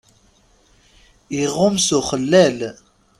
Iɣum s uxellal.